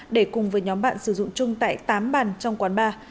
để cùng với nhóm bạn sử dụng chung tại tám bàn trong quán bar